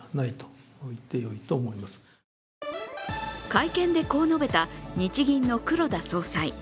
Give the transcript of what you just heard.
会見でこう述べた日銀の黒田総裁。